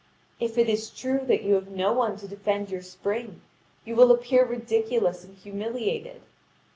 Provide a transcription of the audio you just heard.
If it is true that you have no one to defend your spring, you will appear ridiculous and humiliated.